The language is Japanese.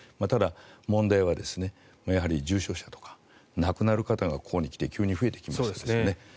ただ、問題はやはり重症者とか亡くなる方がここに来て急に増えてきましたよね。